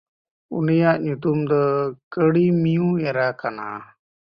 ᱩᱱᱤᱭᱟᱜ ᱧᱩᱛᱩᱢ ᱫᱚ ᱠᱟᱲᱤᱢᱤᱣᱮᱨᱟ ᱠᱟᱱᱟ᱾